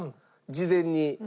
事前に。